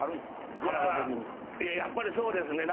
やっぱりそうですね